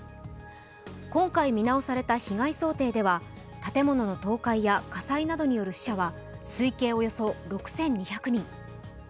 今回見直された被害想定では建物の倒壊や火災などによる死者は推計およそ６２００人。